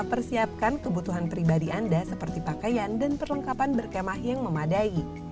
persiapkan kebutuhan pribadi anda seperti pakaian dan perlengkapan berkemah yang memadai